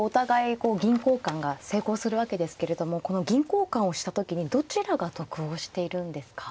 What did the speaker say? こう銀交換が成功するわけですけれどもこの銀交換をした時にどちらが得をしているんですか？